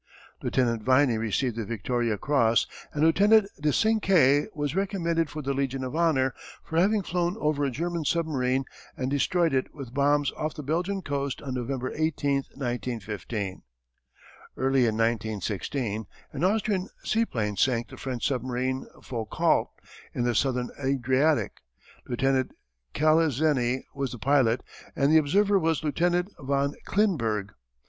"Lieutenant Viney received the Victoria Cross and Lieutenant de Sincay was recommended for the Legion of Honour for having flown over a German submarine and destroyed it with bombs off the Belgian coast on November 18, 1915. "Early in 1916 an Austrian seaplane sank the French submarine Foucault in the southern Adriatic. Lieutenant Calezeny was the pilot and the observer was Lieutenant von Klinburg.